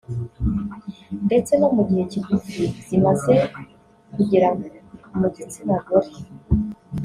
ndetse no mu gihe kigufi zimaze kugera mu gitsina gore